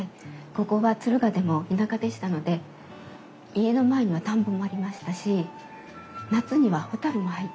ここは敦賀でも田舎でしたので家の前には田んぼもありましたし夏には蛍も入ってきたんです。